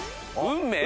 『運命』。